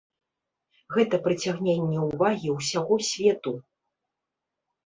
Гэта прыцягненне ўвагі ўсяго свету.